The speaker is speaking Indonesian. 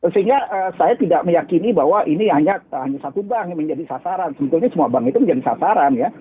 sehingga saya tidak meyakini bahwa ini hanya satu bank yang menjadi sasaran sebetulnya semua bank itu menjadi sasaran ya